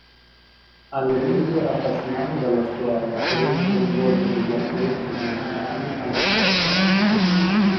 Alle medie era affascinato dalla storia e venne coinvolto nei wargame tridimensionali alle superiori.